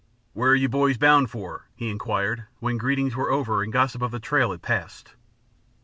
"Where are you boys bound for?" he inquired when greetings were over and gossip of the trail had passed.